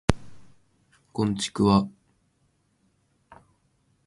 こんちくわ